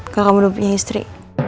gak kamu udah punya istri